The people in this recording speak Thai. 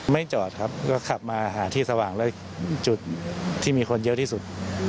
ไม่จอดครับชอบมาหาที่สว่างในจุดที่มีคนเยอะที่สุด